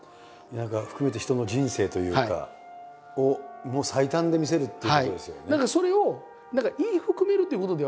何か含めて人の人生というかを最短で見せるっていうことですよね。